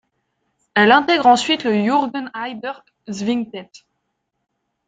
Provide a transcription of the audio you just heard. Elle intègre ensuite le Jürgen-Heider-Swingtett.